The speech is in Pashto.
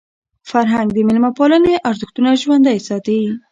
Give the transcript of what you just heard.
فرهنګ د میلمه پالني ارزښتونه ژوندۍ ساتي.